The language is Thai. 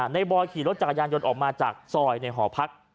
บอยขี่รถจักรยานยนต์ออกมาจากซอยในหอพัก